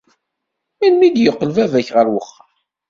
Melmi i d-yeqqel baba-k ɣer uxxam?